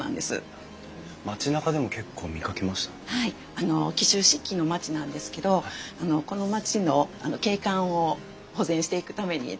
あの紀州漆器の町なんですけどこの町の景観を保全していくために至る所に置いてます。